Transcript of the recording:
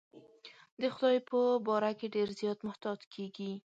د خدای په باره کې ډېر زیات محتاط کېږي.